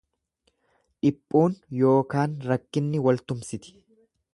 Dhiphuun yookaan rakkinni waltumsiti.